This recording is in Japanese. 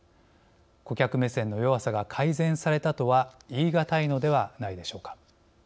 顧客目線の弱さが改善されたとは言い難いのではないでしょうか。